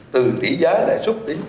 từ tỷ giá lại súc tính tiết kiệm